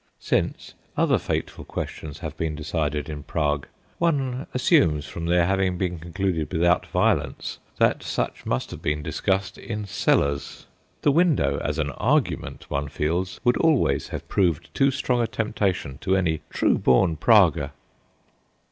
Since, other fateful questions have been decide in Prague, one assumes from their having been concluded without violence that such must have been discussed in cellars. The window, as an argument, one feels, would always have proved too strong a temptation to any true born Praguer.